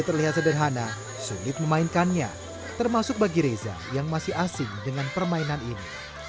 terlihat sederhana sulit memainkannya termasuk bagi reza yang masih asing dengan permainan ini